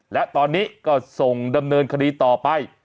และตอนนี้ก็ส่งดำเนินคดีต่อไป